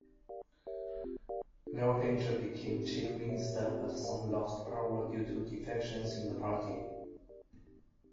Laldenga became Chief Minister, but soon lost power due to defections in the party.